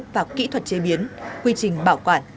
và kỹ thuật chế biến quy trình bảo quản